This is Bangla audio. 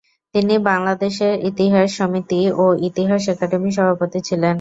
তিনি বাংলাদেশ ইতিহাস সমিতি ও ইতিহাস একাডেমির সভাপতি ছিলেন।